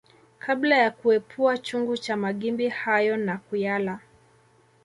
Kabla ya kuepua chungu cha magimbi hayo na kuyala